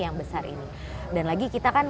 yang besar ini dan lagi kita kan